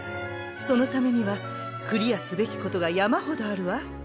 そのためにはクリアすべきことが山ほどあるわ。